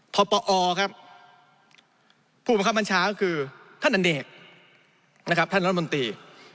พปอครับผู้บังคับบัญชาก็คือท่านอเนกท่านร้อนมนตรี